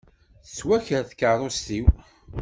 Tettwaker tkeṛṛust-iw.